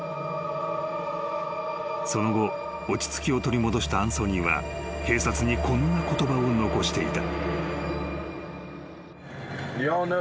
［その後落ち着きを取り戻したアンソニーは警察にこんな言葉を残していた］